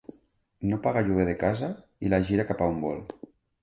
No paga lloguer de casa i la gira cap a on vol.